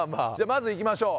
まずいきましょう